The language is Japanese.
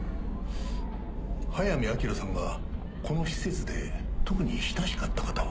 早見明さんがこの施設で特に親しかった方は？